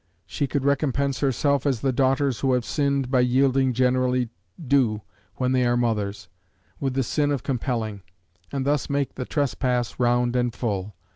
She could recompense herself as the daughters who have sinned by yielding generally do when they are mothers, with the sin of compelling, and thus make the trespass round and full.